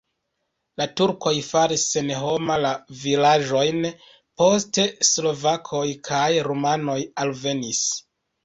La turkoj faris senhoma la vilaĝojn, poste slovakoj kaj rumanoj alvenis.